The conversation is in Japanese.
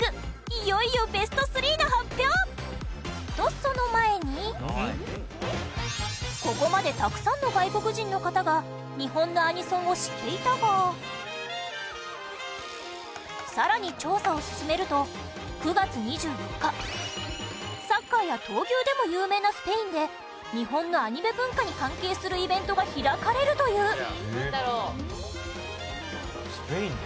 いよいよ、ベスト３の発表！と、その前にここまでたくさんの外国人の方が日本のアニソンを知っていたが更に調査を進めると、９月２４日サッカーや闘牛でも有名なスペインで日本のアニメ文化に関係するイベントが開かれるという伊達：スペインで？